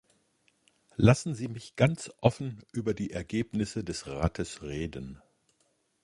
Lassen Sie mich ganz offen über die Ergebnisse des Rates reden.